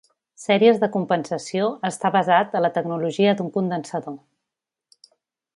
Sèries de compensació està basat a la tecnologia d'un condensador.